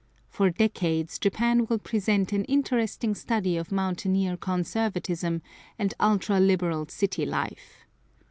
For decades Japan will present an interesting study of mountaineer conservatism and ultra liberal city life.